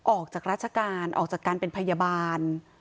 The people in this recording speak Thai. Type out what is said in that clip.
ออกจากราชการออกจากการเป็นพยาบาล